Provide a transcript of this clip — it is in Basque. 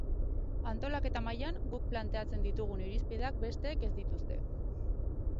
Antolaketa mailan, guk plantatzen ditugun irizpideak besteek ez dituzte.